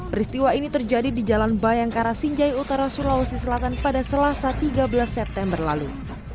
peristiwa ini terjadi di jalan bayangkara sinjai utara sulawesi selatan pada selasa tiga belas september lalu